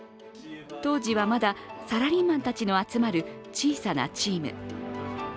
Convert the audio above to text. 当時はまだサラリーマンたちの集まる小さなチーム。